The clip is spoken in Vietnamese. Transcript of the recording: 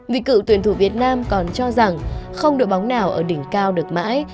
vì cựu tuyển thủ việt nam còn cho rằng không đội bóng nào ở đỉnh cao được mãi